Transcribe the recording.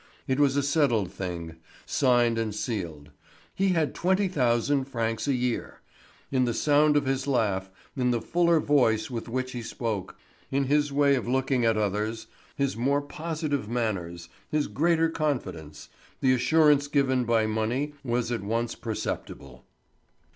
It was a settled thing, signed and sealed; he had twenty thousand francs a year. In the sound of his laugh, in the fuller voice with which he spoke, in his way of looking at the others, his more positive manners, his greater confidence, the assurance given by money was at once perceptible.